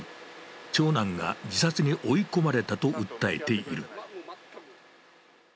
長男が自殺に追い込まれたと訴えている。